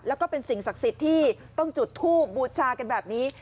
แล้วก็เป็นสิ่งศักดิ์สิทธิ์ที่ต้องจุดทูบบูชากันแบบนี้